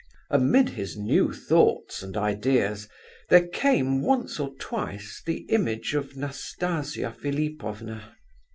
Amid his new thoughts and ideas there came, once or twice, the image of Nastasia Philipovna.